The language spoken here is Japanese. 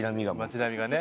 街並みがね。